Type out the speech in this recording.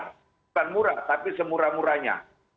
bukan murah tapi semurah murahnya